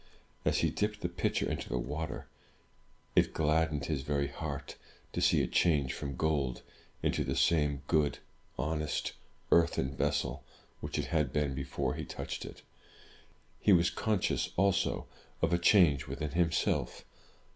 *' As he dipped the pitcher into the water, it gladdened his very heart to see it change from gold into the same good, honest earthen vessel which it had been before he touched it. He was conscious, also, of a change within himself.